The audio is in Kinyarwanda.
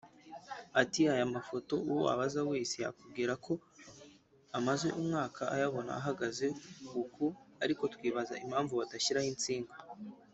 Ati “Aya mapoto uwo wabaza wese yakubwira ko amaze umwaka ayabona ahagaze uku ariko twibaza imapmvu badashyiraho intsinga